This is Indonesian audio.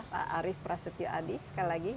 pak arief prasetyo adi sekali lagi